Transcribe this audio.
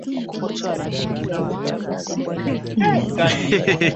Mashariki ya nchi huwa na tambarare zenye